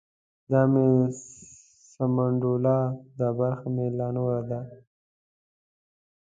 دا مې سمنډوله ده برخه مې لا نوره ده.